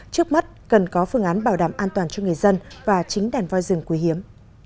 trước mắt cần có phương án bảo đảm an toàn cho người dân và chính đàn voi rừng quý hiếm